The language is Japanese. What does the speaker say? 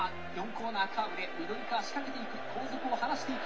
コーナーカーブで緑川仕掛けていく後続を離していく。